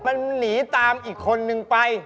มันหนีตามอีกคนนึงไป